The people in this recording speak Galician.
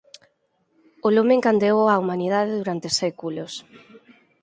O lume encandeou á humanidade durante séculos.